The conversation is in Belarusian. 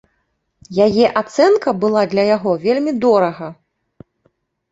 Яе ацэнка была для яго вельмі дорага.